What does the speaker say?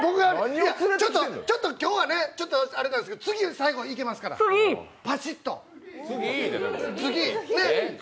ちょっと今日はあれなんですけど、次、最後にいけますから、パシッと。